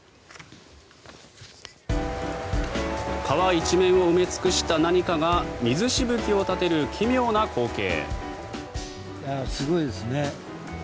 川一面を埋め尽くした何かが水しぶきを立てる奇妙な光景。